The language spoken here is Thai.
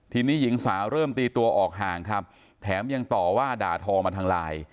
ทีนี้หญิงสาวเริ่มตีตัวออกห่างครับแถมยังต่อว่าด่าทอมาทางไลน์